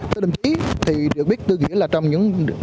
thưa đồng chí thì được biết tư nghĩa là trong những huyện